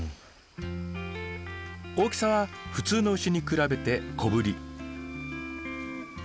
大きさは普通の牛に比べて小ぶり。